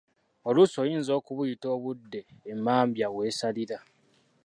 Oluusi oyinza okubuyita obudde emmambya weesalira.